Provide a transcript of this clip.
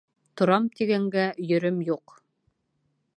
«Торам» тигәнгә йөрөм юҡ.